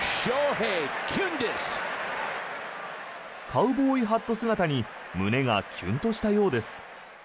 カウボーイハット姿に胸がキュンとしたようです。